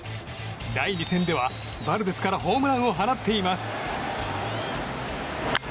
第２戦ではバルデスからホームランを放っています。